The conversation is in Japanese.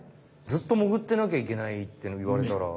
ずっと潜ってなきゃいけないっていわれたら。